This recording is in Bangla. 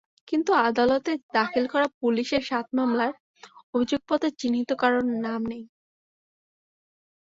কিন্তু আদালতে দাখিল করা পুলিশের সাত মামলার অভিযোগপত্রে চিহ্নিত কারও নাম নেই।